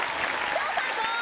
超最高！